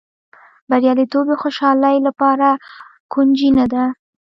بریالیتوب د خوشالۍ لپاره کونجي نه ده.